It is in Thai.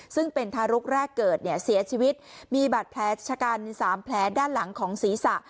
ซึ่งเป็นทารกแรกเกิดเนี่ยเสียชีวิตมีบาดแผลชะกัน๓แผลด้านหลังของศีรษะ